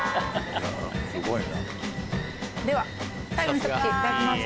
では最後のひと口いただきます。